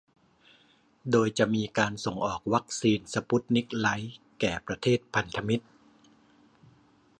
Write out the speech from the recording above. โดยจะมีการส่งออกวัคซีนสปุตนิก ไลท์ แก่ประเทศพันธมิตร